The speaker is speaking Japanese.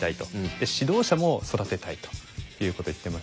で指導者も育てたいということを言ってましたね。